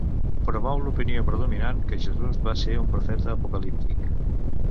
Promou l'opinió predominant que Jesús va ser un profeta apocalíptic.